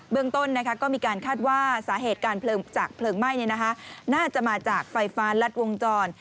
เรื่องต้นก็มีการคาดว่าสาเหตุการจากเพลิงไหม้น่าจะมาจากไฟฟ้ารัดวงจร